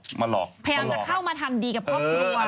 พยายามจะเข้ามาทำดีกับครอบครัว